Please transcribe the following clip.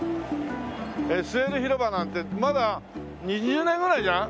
ＳＬ広場なんてまだ２０年ぐらいじゃん？